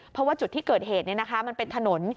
เพราะว่าจุดที่เกิดเหตุมันเป็นถนน